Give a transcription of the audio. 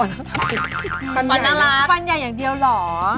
ฟันไงน่ะรักฟันอย่างเดียวหรอ